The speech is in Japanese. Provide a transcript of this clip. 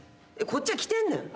こっちは来てんねん。